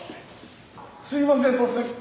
すいません突然。